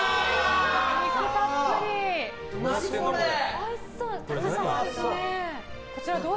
おいしそう！